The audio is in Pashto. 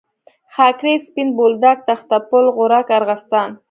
خاکریز، سپین بولدک، تخته پل، غورک، ارغستان.